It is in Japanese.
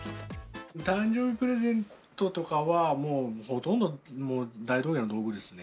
誕生日プレゼントとかは、もう、ほとんど、もう大道芸の道具ですね。